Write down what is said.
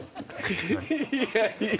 いやいや。